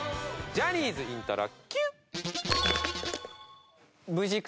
ジャニーズイントロＱ！